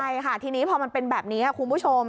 ใช่ค่ะทีนี้พอมันเป็นแบบนี้คุณผู้ชม